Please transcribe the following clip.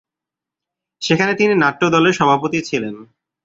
সেখানে তিনি নাট্য দলের সভাপতি ছিলেন।